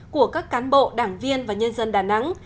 của các cán bộ đảng viên và nhân dân đà nẵng